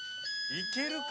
いけるか？